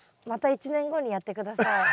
また１年後にやって下さい。